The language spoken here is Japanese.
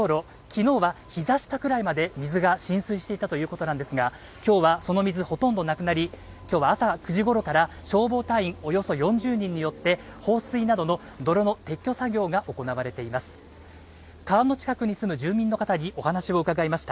昨日はひざ下くらいまで水が浸水していたということなんですが今日はその水ほとんどなくなり今日は朝９時ごろから消防隊員およそ４０人によって放水などの泥の撤去作業が行われています